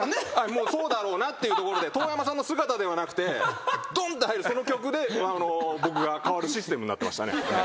もうそうだろうなっていうところで遠山さんの姿ではなくてドンって入るその曲で僕が代わるシステムになってましたね。